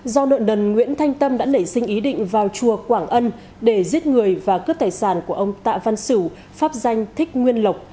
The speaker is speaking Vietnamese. do nợ nần nguyễn thanh tâm đã nảy sinh ý định vào chùa quảng ân để giết người và cướp tài sản của ông tạ văn sửu pháp danh thích nguyên lộc